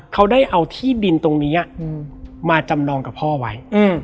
เขาได้เอาที่ดินตรงนี้มาจำนองกับพ่อไว้